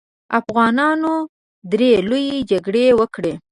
افغانانو درې لويې جګړې وکړې.